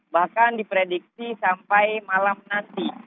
bahkan diprediksi sampai malam nanti